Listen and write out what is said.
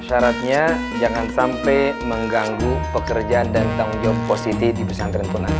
syaratnya jangan sampai mengganggu pekerjaan dan tanggung jawab positif di pesantren pun nanti